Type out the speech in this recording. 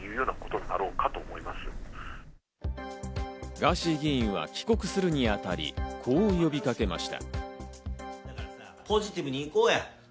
ガーシー議員は帰国するにあたり、こう呼びかけました。